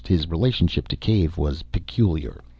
His relationship to Cave was peculiar.